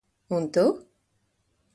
Un tu?